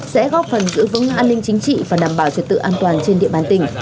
sẽ góp phần giữ vững an ninh chính trị và đảm bảo trật tự an toàn trên địa bàn tỉnh